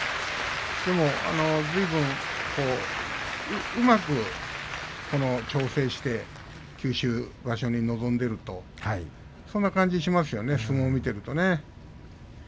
でも、ずいぶんうまく調整して九州場所に臨んでいるとそんな感じに思いますよね、相撲を見ていると。